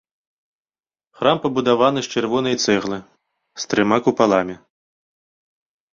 Храм пабудаваны з чырвонай цэглы, з трыма купаламі.